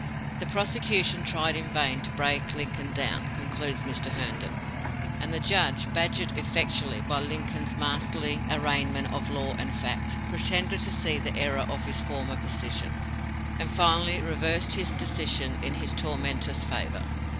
"The prosecution tried in vain to break Lincoln down," concludes Mr. Herndon, "and the judge, badgered effectually by Lincoln's masterly arraignment of law and fact, pretended to see the error of his former position, and finally reversed his decision in his tormentor's favor.